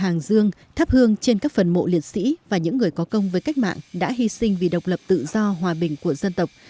hàng dương tháp hương trên các phần mộ liệt sĩ và những người có công với cách mạng đã hy sinh vì độc lập tự do hòa bình của dân tộc